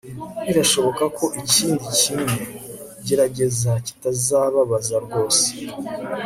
birashoboka ko ikindi kimwe gerageza kitazababaza rwose